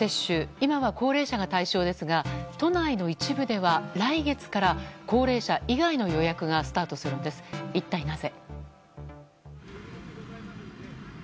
今は高齢者が対象ですが都内の一部では来月から高齢者以外の予約がスタートする見込みです。